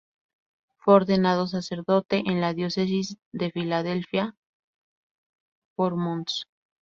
Fue ordenado sacerdote en la Diócesis de Filadelfia por Mons.